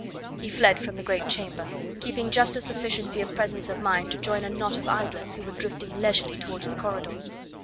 He fled from the great chamber, keeping just a sufficiency of presence of mind to join a knot of idlers who were drifting leisurely towards the corridors.